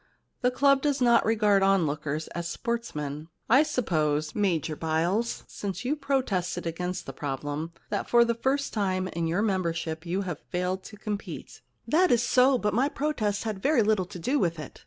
The club does not regard onlookers as sportsmen. I suppose, Major Byles, since you protested against the problem, that for the first time in your membership you have failed to compete.* * That is so, but my protest had very little to do with it.